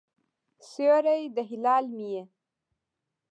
سیوری د هلال مې یې